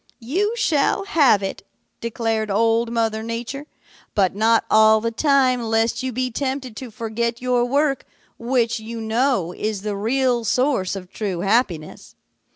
"'You shall have it,' declared Old Mother Nature, 'but not all the time lest you be tempted to forget your work, which, you know, is the real source of true happiness.